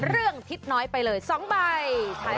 เรื่องทิศน้อยไปเลย๒ใบ